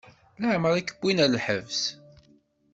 Leɛmeṛ i k-wwin ɣer lḥebs?